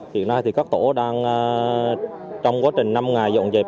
hiện nay thì các tổ đang trong quá trình năm ngày dọn dẹp